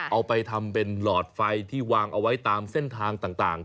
เอาไปทำเป็นหลอดไฟที่วางเอาไว้ตามเส้นทางต่าง